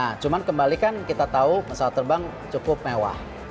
nah cuma kembalikan kita tahu pesawat terbang cukup mewah